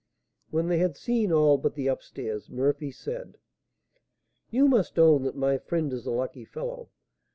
When they had seen all but the up stairs, Murphy said: "You must own that my friend is a lucky fellow.